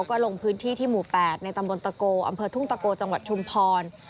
ก็ลงพื้นที่ที่หมู่๘ในตำบลตะโกอำเภอทุ่งตะโกจังหวัดชุมพร